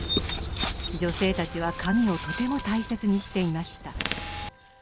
女性たちは髪をとても大切にしていました。